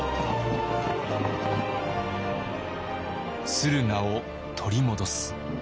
「駿河を取り戻す」。